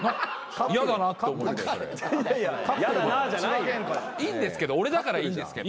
・「やだな」じゃない。いいんですけど俺だからいいんですけど。